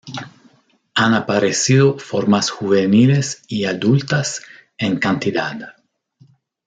Han aparecido formas juveniles y adultas en cantidad.